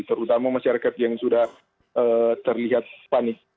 terutama masyarakat yang sudah terlihat panik